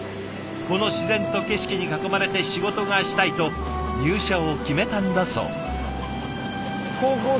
この自然と景色に囲まれて仕事がしたいと入社を決めたんだそう。